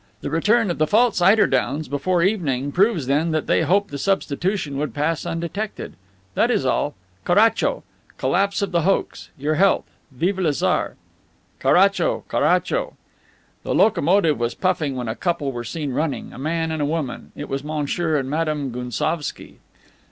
The return of the false eider downs, before evening, proves then that they hoped the substitution would pass undetected. That is all. Caracho! Collapse of the hoax. Your health! Vive le Tsar!" "Caracho! Caracho!" The locomotive was puffing when a couple were seen running, a man and a woman. It was Monsieur and Madame Gounsovski.